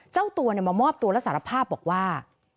เจ้าตัวมามอบตัวและสารภาพบอกว่า